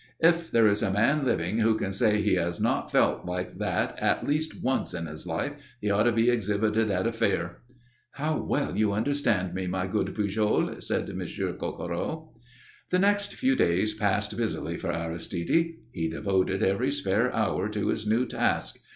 "If there is a man living who can say he has not felt like that at least once in his life he ought to be exhibited at a fair." "How well you understand me, my good Pujol," said Monsieur Coquereau. The next few days passed busily for Aristide. He devoted every spare hour to his new task.